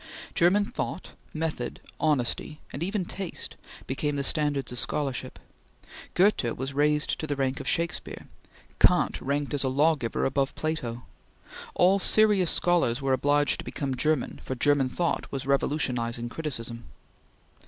German thought, method, honesty, and even taste, became the standards of scholarship. Goethe was raised to the rank of Shakespeare Kant ranked as a law giver above Plato. All serious scholars were obliged to become German, for German thought was revolutionizing criticism.